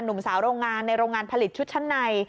หนุ่มสาวโรงงานในโรงงานผลิตชุดชั้นใน